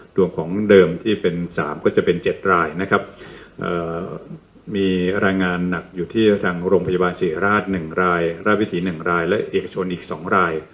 ดวงของเดิมที่เป็น๓ก็จะเป็น๗รายนะครับมีรายงานหนักอยู่ที่ทางโรงพยาบาลศรีราช๑รายราชวิถี๑รายและเอกชนอีก๒ราย